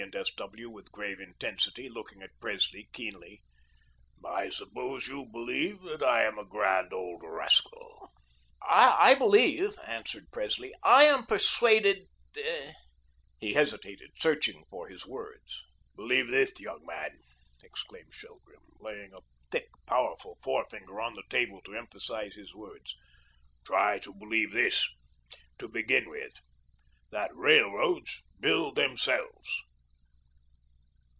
and S. W. with grave intensity, looking at Presley keenly, "I suppose you believe I am a grand old rascal." "I believe," answered Presley, "I am persuaded " He hesitated, searching for his words. "Believe this, young man," exclaimed Shelgrim, laying a thick powerful forefinger on the table to emphasise his words, "try to believe this to begin with THAT RAILROADS BUILD THEMSELVES.